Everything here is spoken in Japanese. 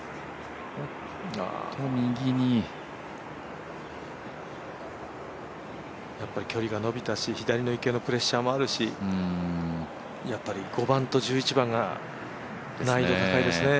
右にやっぱり距離が伸びたし、左の池のプレッシャーがあるしやっぱり、５番と１１番が難易度高いですね。